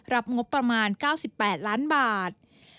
งบประมาณ๙๘ล้านบาท